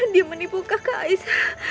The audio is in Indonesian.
dia menipu kakak aisyah